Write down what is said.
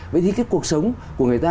vậy thì cái cuộc sống của người ta